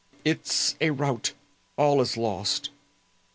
It is a rout. All is lost!"